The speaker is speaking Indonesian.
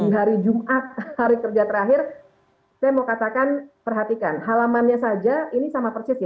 hari jumat hari kerja terakhir saya mau katakan perhatikan halamannya saja ini sama persis ya